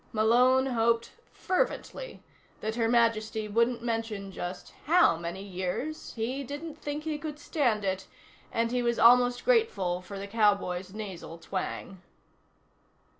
Malone hoped fervently that Her Majesty wouldn't mention just how many years. He didn't think he could stand it, and he was almost grateful for the cowboy's nasal twang.